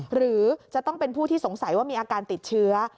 หรือจะต้องเป็นผู้ที่สงสัยว่ามีอาการติดเชื้อ